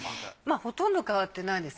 ほとんど変わってないです。